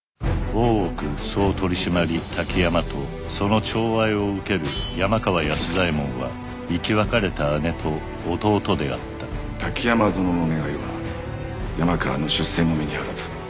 大奥総取締滝山とその寵愛を受ける山川安左衛門は生き別れた姉と弟であった滝山殿の願いは山川の出世のみにあらず。